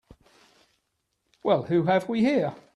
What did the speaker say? Well who have we here?